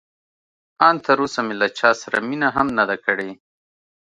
ان تراوسه مې له چا سره مینه هم نه ده کړې.